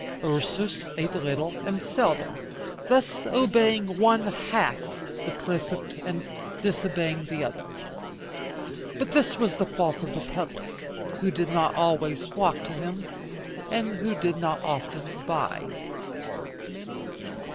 Ursus ate little and seldom, thus obeying one half the precept and disobeying the other; but this was the fault of the public, who did not always flock to him, and who did not often buy.